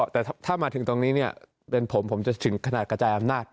แต่ถ้ามาถึงตรงนี้เนี่ยเป็นผมผมจะถึงขนาดกระจายอำนาจ